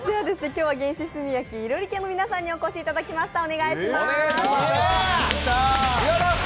今日は原始炭焼いろり家の皆さんにお越しいただきました。